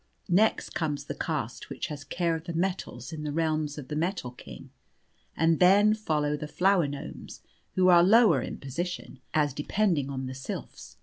Next comes the caste which has care of the metals in the realms of the metal king, and then follow the flower gnomes, who are lower in position, as depending on the sylphs.